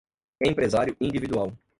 empresário individual